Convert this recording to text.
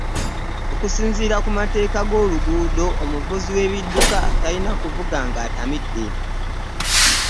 Okusinzira ku mateeka go luguudo, omuvuzi we biduka talina kuvuga nga atamidde.